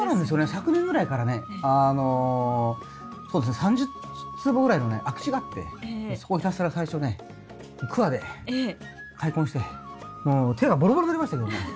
昨年ぐらいからねあのそうですね３０坪ぐらいのね空き地があってそこをひたすら最初ねくわで開墾してもう手がボロボロになりましたけどね。